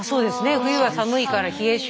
冬は寒いから冷え性。